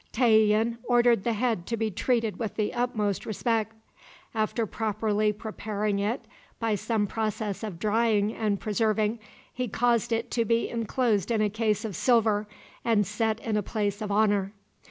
Tayian ordered the head to be treated with the utmost respect. After properly preparing it, by some process of drying and preserving, he caused it to be inclosed in a case of silver, and set in a place of honor.